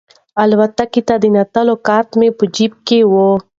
الوتکې ته د ننوتلو کارت مې په جیب کې و.